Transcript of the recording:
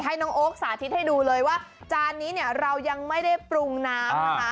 ให้น้องโอ๊คสาธิตให้ดูเลยว่าจานนี้เนี่ยเรายังไม่ได้ปรุงน้ำนะคะ